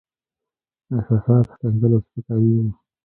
احساسات، ښکنځل او سپکاوي وو.